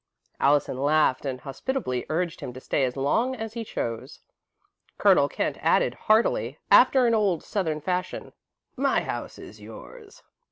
Allison laughed and hospitably urged him to stay as long as he chose. Colonel Kent added, heartily, after an old Southern fashion: "My house is yours."